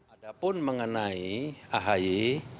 ada pun mengenai ahaya